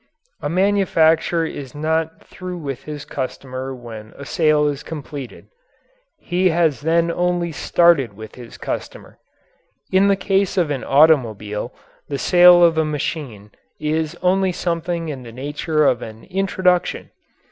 A manufacturer is not through with his customer when a sale is completed. He has then only started with his customer. In the case of an automobile the sale of the machine is only something in the nature of an introduction.